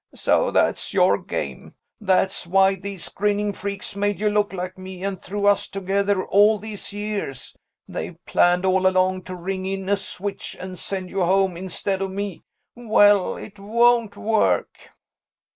"So that's your game! That's why these grinning freaks made you look like me and threw us together all these years they've planned all along to ring in a switch and send you home instead of me! Well, it won't work!"